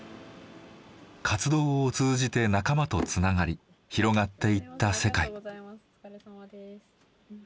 活動を通じて仲間とつながり広がっていった世界。